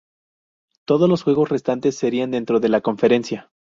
Todos los juegos restantes serían dentro de la conferencia.